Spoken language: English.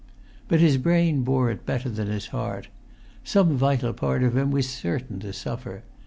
But his brain bore it better than his heart. Some vital part of him was certain to suffer.